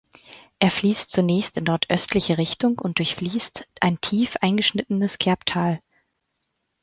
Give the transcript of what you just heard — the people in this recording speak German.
Er fließt zunächst in nordöstliche Richtung und durchfließt ein tief eingeschnittenes Kerbtal.